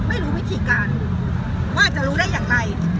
ไม่รู้วิธีการว่าจะรู้ได้อย่างไร